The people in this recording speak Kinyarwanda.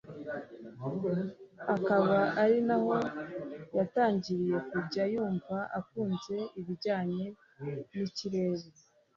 akaba ari naho yatangiriye kujya yumva akunze ibijyanye n’ikirere